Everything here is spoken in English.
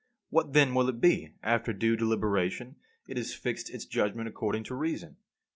What then will it be when, after due deliberation it has fixed its judgment according to reason?